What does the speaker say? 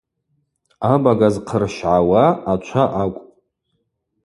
Абага зхъырщгӏауа ачва акӏвпӏ.